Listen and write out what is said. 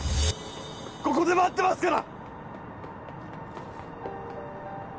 ここで待ってますから！